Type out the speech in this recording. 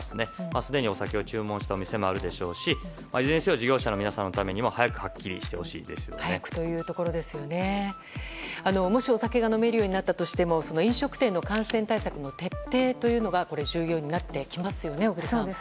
すでにお酒を注文した店もあるでしょうし、いずれにしろ事業者の皆さんのためにももしお酒が飲めるようになったとしても飲食店の感染対策の徹底というのが重要になってきますよね、小栗さん。